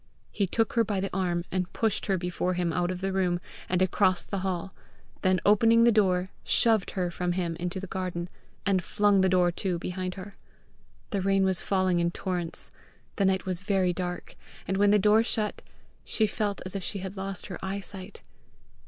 He took her by the arm, and pushed her before him out of the room, and across the hall; then opening the door, shoved her from him into the garden, and flung the door to behind her. The rain was falling in torrents, the night was very dark, and when the door shut, she felt as if she had lost her eyesight.